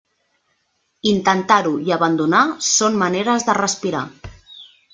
Intentar-ho i abandonar són maneres de respirar.